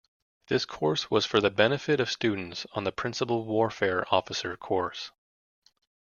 This course was for the benefit of students on the Principal Warfare Officer course.